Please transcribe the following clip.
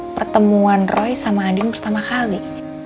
pertemuan roy sama adim pertama kali